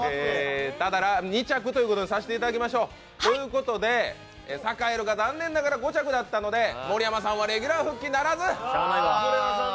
２着ということにさせていただきましょう。ということでサカエル＆みそさかい残念ながら５着だったので盛山さんはレギュラー復帰ならず。